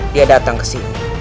dia datang kesini